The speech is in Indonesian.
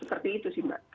seperti itu sih mbak